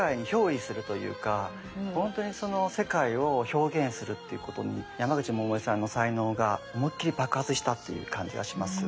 本当にその世界を表現するっていうことに山口百恵さんの才能が思いっきり爆発したっていう感じがします。